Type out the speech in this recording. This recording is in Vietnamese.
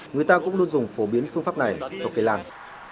người ta cũng luôn dùng phổ biến phương pháp này cho cây lan